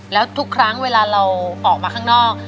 แล้วทุกครั้งเวลาเราออกมาข้างนอก